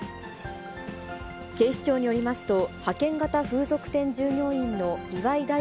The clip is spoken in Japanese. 警視庁によりますと、派遣型風俗店従業員の岩井大